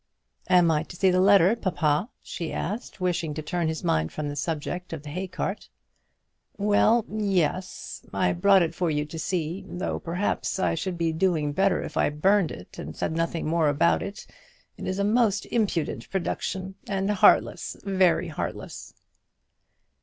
"Am I to see the letter, papa?" she asked, wishing to turn his mind from the subject of the hay cart. "Well, yes. I brought it for you to see; though perhaps I should be doing better if I burned it, and said nothing more about it. It is a most impudent production; and heartless, very heartless."